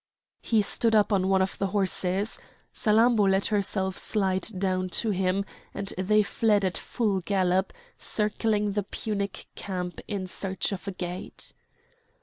He stood up on one of the horses. Salammbô let herself slide down to him; and they fled at full gallop, circling the Punic camp in search of a gate.